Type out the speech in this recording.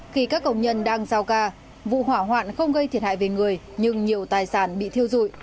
khi các công nhân đang giao ca vụ hỏa hoạn không gây thiệt hại về người nhưng nhiều tài sản bị thiêu dụi